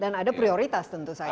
dan ada prioritas tentu saja